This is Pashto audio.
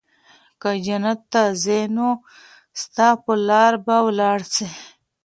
که جنت ته ځي نو ستا په لار به ولاړ سي